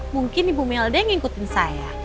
mungkin ibu melde yang how fortune ngikutin saya